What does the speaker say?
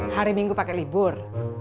hari minggu pake libur